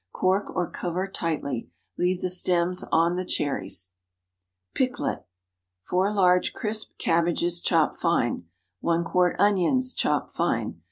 Cork or cover tightly. Leave the stems on the cherries. PICKLETTE. ✠ 4 large crisp cabbages, chopped fine. 1 quart onions, chopped fine.